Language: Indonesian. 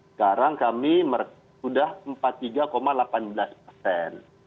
sekarang kami sudah empat puluh tiga delapan belas persen